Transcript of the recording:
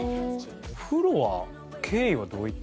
お風呂は経緯はどういった？